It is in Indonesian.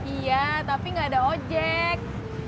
iya tapi nggak ada ojek